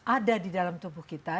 ada di dalam tubuh kita